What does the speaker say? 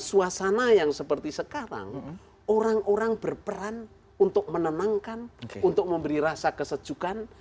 suasana yang seperti sekarang orang orang berperan untuk menenangkan untuk memberi rasa kesejukan